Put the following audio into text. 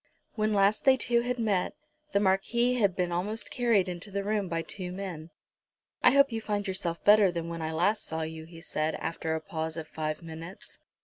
When last they two had met, the Marquis had been almost carried into the room by two men. "I hope you find yourself better than when I last saw you," he said, after a pause of five minutes.